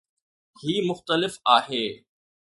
هي مختلف آهي